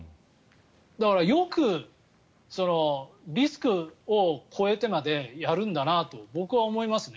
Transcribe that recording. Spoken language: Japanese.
だから、よくリスクを超えてまでやるんだなと僕は思いますね。